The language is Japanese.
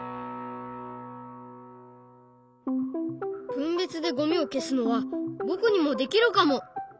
分別でゴミを消すのは僕にもできるかも！